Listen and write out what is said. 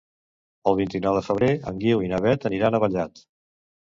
El vint-i-nou de febrer en Guiu i na Beth aniran a Vallat.